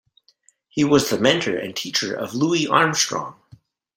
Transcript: He was the mentor and teacher of Louis Armstrong.